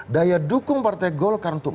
daya dukung partai golkar